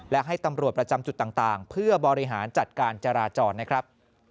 และให้ตำรวจประจำจุดต่างเพื่อบริหารจัดการจราจรนะครับ